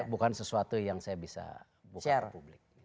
ya bukan sesuatu yang saya bisa share